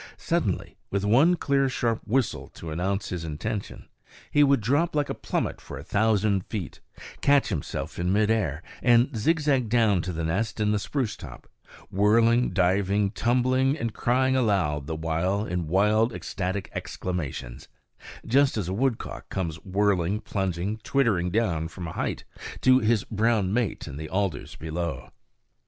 Suddenly, with one clear, sharp whistle to announce his intention, he would drop like a plummet for a thousand feet, catch himself in mid air, and zigzag down to the nest in the spruce top, whirling, diving, tumbling, and crying aloud the while in wild, ecstatic exclamations, just as a woodcock comes whirling, plunging, twittering down from a height to his brown mate in the alders below.